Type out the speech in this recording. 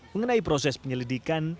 mengenai proses penyelidikan